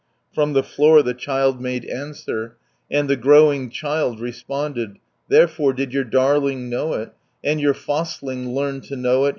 From the floor the child made answer, And the growing child responded: "Therefore did your darling know it, And your fostling learned to know it.